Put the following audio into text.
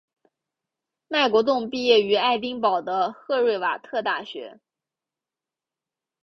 麦国栋毕业于爱丁堡的赫瑞瓦特大学。